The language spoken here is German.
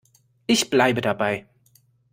Ich bleibe dabei.